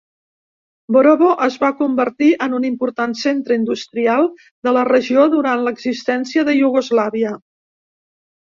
Borovo es va convertir en un important centre industrial de la regió durant l'existència de Iugoslàvia.